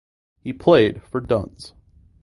He played for Duns.